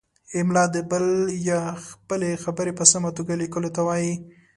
املاء د بل یا خپلې خبرې په سمه توګه لیکلو ته وايي.